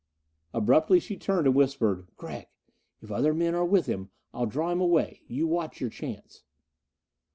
Abruptly she turned, and whispered, "Gregg, if other men are with him, I'll draw him away. You watch your chance."